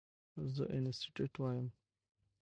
زه انسټيټيوټ وایم.